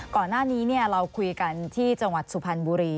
ก่อนหน้านี้เราคุยกันที่จังหวัดสุพรรณบุรี